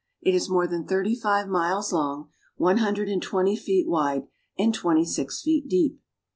It is more than thirty five miles long, one hundred and twenty feet wide, and twenty six feet deep.